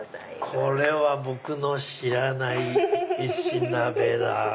これは僕の知らない石鍋だ。